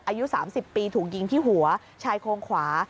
อายุ๓๐ปีถูกยิงที่หัวชายโครงขวา